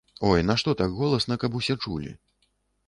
Ой, нашто так голасна, каб усе чулі.